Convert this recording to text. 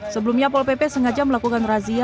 sebelumnya pol pp sengaja melakukan razia